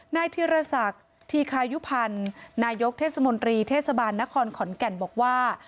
นายธีรศักดิ์ธีคายุพันธ์นายกเทศมนตรีเทศบาลนครขอนแก่นบอกว่า